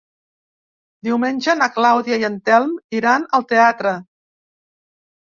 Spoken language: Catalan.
Diumenge na Clàudia i en Telm iran al teatre.